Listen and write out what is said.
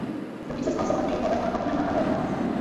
Some mixes also contain covers of popular North American songs.